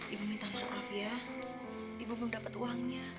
ibu minta maaf ya ibu belum dapat uangnya